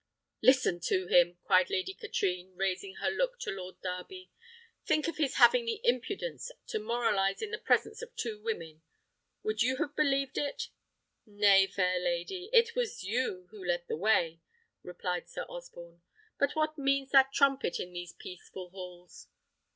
"Listen to him!" cried Lady Katrine, raising her look to Lord Darby; "think of his having the impudence to moralise in the presence of two women! Would you have believed it?" "Nay, fair lady! it was you who led the way," replied Sir Osborne. "But what means that trumpet in these peaceful halls?"